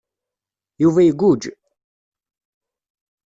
Yuba iguǧǧ.